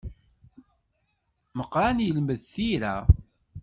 Meqqran yelmed tira.